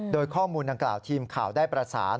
โดยข้อมูลดังกล่าวทีมข่าวได้ประสาน